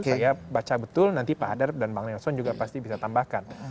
saya baca betul nanti pak hadar dan bang nelson juga pasti bisa tambahkan